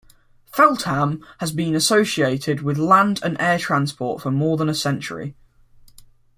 Feltham has been associated with land and air transport for more than a century.